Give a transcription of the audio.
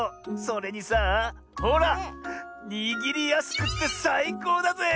それにさあほらにぎりやすくってさいこうだぜ！